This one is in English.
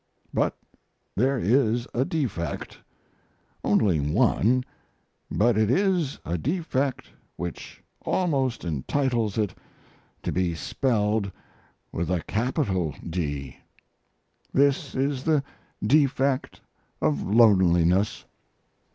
But there is a defect only one, but it is a defect which almost entitles it to be spelled with a capital D. This is the defect of loneliness.